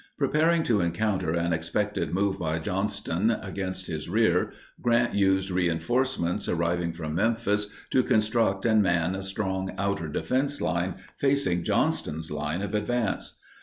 Preparing to encounter an expected move by Johnston against his rear, Grant used reinforcements arriving from Memphis to construct and man a strong outer defense line facing Johnston's line of advance.